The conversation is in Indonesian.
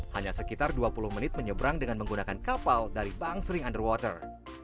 hanya sekitar dua puluh menit menyeberang dengan menggunakan kapal dari bangsering underwater